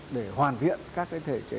để hoàn thiện các cái thể chế